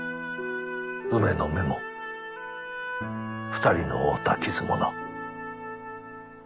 梅の目も２人の負うた傷もな。